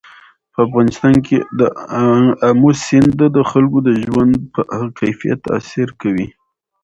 په افغانستان کې آمو سیند د خلکو د ژوند په کیفیت تاثیر کوي.